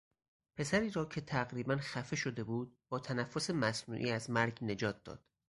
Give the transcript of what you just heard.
پسری را که تقریباخفه شده بود با تنفس مصنوعی از مرگ نجات داد.